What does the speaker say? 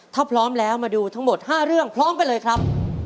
ถ้าพร้อมแล้วมาดูทั้งหมด๕เรื่องพร้อมกันเลยครับ